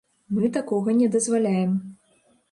Мы такога не дазваляем.